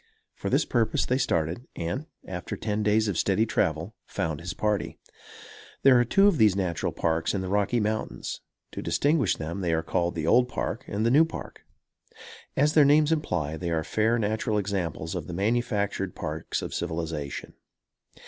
For this purpose they started, and, after ten days of steady travel, found his party. There are two of these natural Parks in the Rocky Mountains. To distinguish them they are called the Old Park and the New Park. As their names imply, they are fair natural examples of the manufactured parks of civilization.